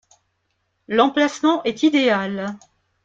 L’emplacement est idéal.